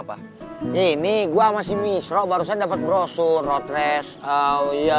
pasti boy seneng banget denger kabarnya